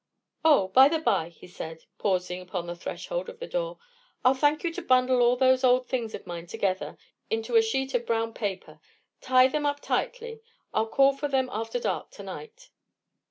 "Oh, by the bye," he said, pausing upon the threshold of the door, "I'll thank you to bundle all those old things of mine together into a sheet of brown paper: tie them up tightly. I'll call for them after dark to night."